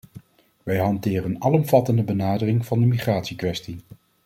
Wij hanteren een alomvattende benadering van de migratiekwestie.